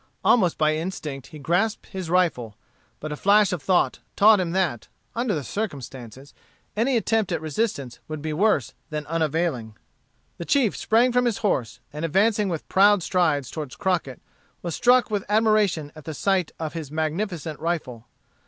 Almost by instinct he grasped his rifle, but a flash of thought taught him that, under the circumstances, any attempt at resistance would be worse than unavailing. The chief sprang from his horse, and advancing with proud strides toward Crockett, was struck with admiration at sight of his magnificent rifle.